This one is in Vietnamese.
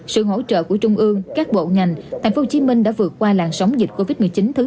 sự hỗ trợ của trung ương các bộ ngành tp hcm đã vượt qua làn sóng dịch covid một mươi chín thứ bốn